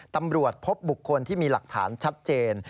ตำรวจพบบุคคลที่มีหลักฐานชัดเจน